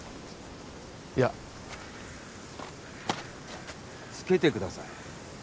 いやつけてください